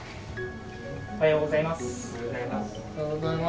おはようございます。